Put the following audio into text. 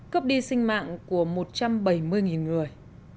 cướp đi sinh mạng của một trăm bảy mươi người